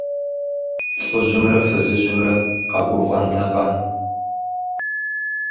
ЛӀыжьымрэ фызыжьымрэ къэгуфӀэнтэкъэ?